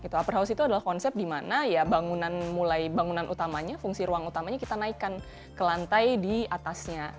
upper house itu adalah konsep di mana ya bangunan mulai bangunan utamanya fungsi ruang utamanya kita naikkan ke lantai di atasnya